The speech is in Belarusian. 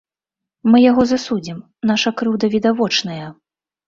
Мы яго засудзім, наша крыўда відочная.